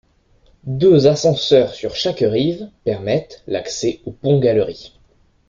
Deux ascenseurs sur chaque rive permettent l'accès au pont-galerie.